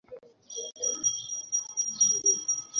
কিংবা বৃষ্টির মধ্যে ল্যাট্রিন বানাচ্ছে টিনের কাপ দিয়ে।